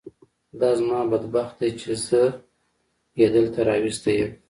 دا زما بد بخت دی چې زه یې دلته راوستی یم.